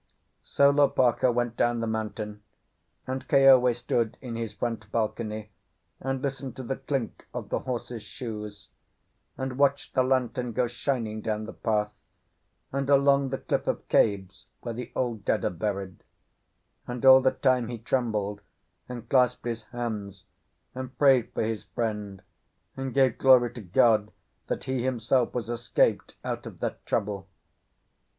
So Lopaka went down the mountain; and Keawe stood in his front balcony, and listened to the clink of the horse's shoes, and watched the lantern go shining down the path, and along the cliff of caves where the old dead are buried; and all the time he trembled and clasped his hands, and prayed for his friend, and gave glory to God that he himself was escaped out of that trouble.